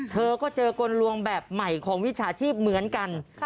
เธอก็เจอกลลวงแบบใหม่ของวิชาชีพเหมือนกัน